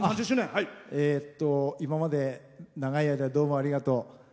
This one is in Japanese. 今まで長い間どうもありがとう。